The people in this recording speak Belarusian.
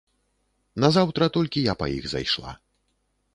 Назаўтра толькі я па іх зайшла.